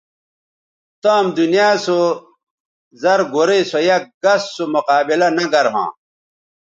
تام دنیا سو زر گورئ سو یک گس سو مقابلہ نہ گر ھواں